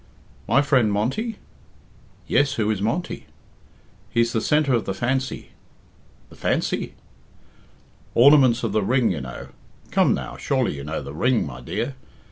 "My friend Monty?" "Yes; who is Monty?" "He's the centre of the Fancy." "The Fancy!" "Ornaments of the Ring, you know. Come now, surely you know the Ring, my dear.